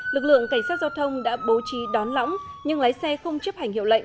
lực lượng cảnh sát giao thông đã bố trí đón lõng nhưng lái xe không chấp hành hiệu lệnh